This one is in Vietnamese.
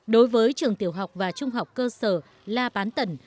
đối với trường tiểu học và trung học cơ sở la bán tần